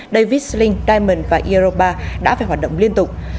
davis link diamond và europa đã phải hoạt động liên tục